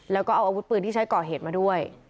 แล้วก็เอาอาวุธปืนที่ใช้ก่อเหตุมาด้วย